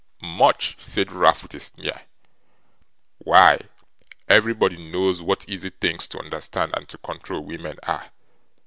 'Much!' said Ralph, with a sneer. 'Why, everybody knows what easy things to understand and to control, women are.